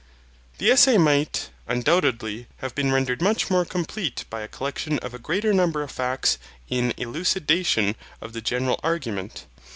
The Essay might, undoubtedly, have been rendered much more complete by a collection of a greater number of facts in elucidation of the general argument.